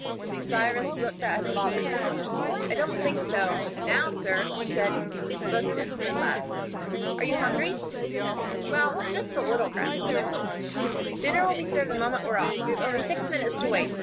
Cyrus looked at his father. "I don't think so now, sir," he said. Both gentlemen laughed. "Are you hungry?" "Well, just a little, grandfather." "Dinner will be served the moment we are off. We have only six minutes to wait.